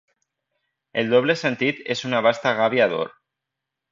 El doble sentit és una vasta gàbia d'or.